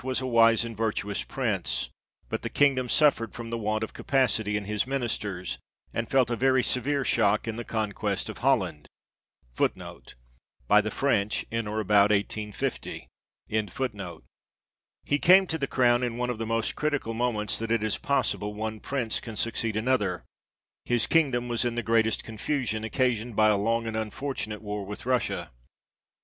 was a wise and virtuous prince, but the kingdom suffered from the want of capacity in his ministers, and felt a very severe shock in the conquest of Holland. 1 He came to the crown in one of the most critical moments that it is possible one Prince can succeed another ; his kingdom was in the greatest confusion, occasioned by a long and unfortunate war with Russia.